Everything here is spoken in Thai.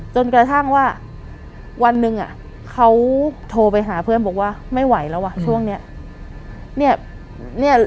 จนกระทั่งว่าวันหนึ่งเขาโทรไปหาเพื่อนบอกว่าไม่ไหวแล้วว่ะช่วงนี้